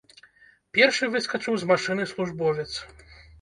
Першы выскачыў з машыны службовец.